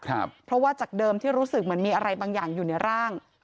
เพราะว่าจากเดิมที่รู้สึกเหมือนมีอะไรบางอย่างอยู่ในร่าง